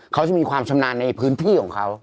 เขาจะมีความชำนาญในพื้นที่ของเขา